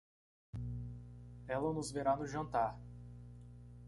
Ela nos verá no jantar.